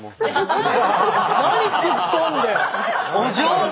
お上手！